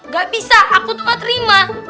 gak bisa aku tuh gak terima